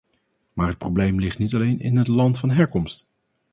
Maar het probleem ligt niet alleen in het land van herkomst.